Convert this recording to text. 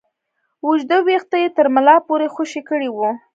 اوږده ويښته يې تر ملا پورې خوشې کړي وو.